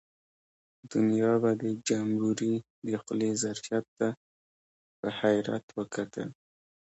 دنیا به د جمبوري د خولې ظرفیت ته په حیرت وکتل.